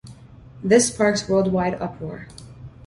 This sparks worldwide uproar.